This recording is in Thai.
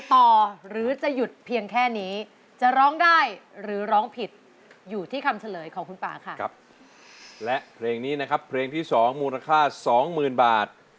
แต่กลเนื้อไม่หายเลยนะค่ะค่ะ